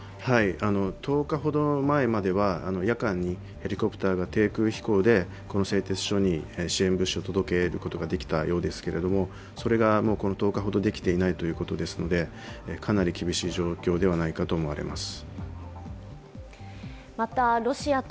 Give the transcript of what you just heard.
１０日程前までは夜間にヘリコプターが低空飛行で支援物資を届けることができたようですが、それがこの１０日ほどできていないようですのでかなり厳しい状況ではないかと思われます。